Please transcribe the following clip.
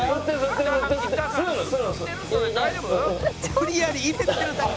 「無理やり入れてるだけ」